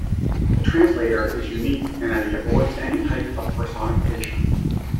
The translator is unique in that he avoids any type of personification.